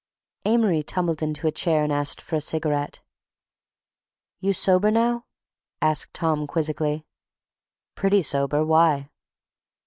Amory tumbled into a chair and asked for a cigarette. "You sober now?" asked Tom quizzically. "Pretty sober. Why?"